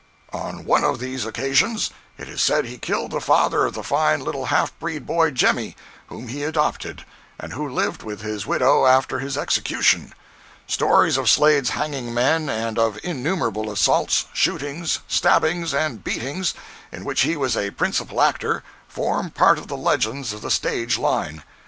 jpg (67K) On one of these occasions, it is said he killed the father of the fine little half breed boy Jemmy, whom he adopted, and who lived with his widow after his execution. Stories of Slade's hanging men, and of innumerable assaults, shootings, stabbings and beatings, in which he was a principal actor, form part of the legends of the stage line.